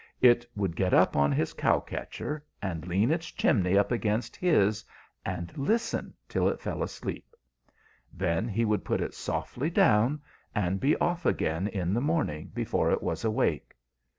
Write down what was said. It would get up on his cow catcher, and lean its chimney up against his, and listen till it fell asleep. Then he would put it softly down, and be off again in the morning before it was awake.